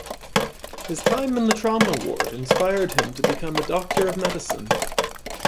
His time in the trauma ward inspired him to become a doctor of medicine.